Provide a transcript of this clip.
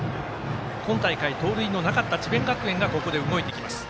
今大会、盗塁のなかった智弁学園がここで動いてきます。